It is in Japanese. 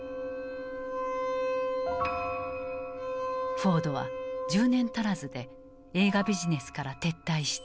フォードは１０年足らずで映画ビジネスから撤退した。